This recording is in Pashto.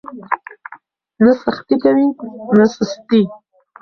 نه سختي کوئ نه سستي.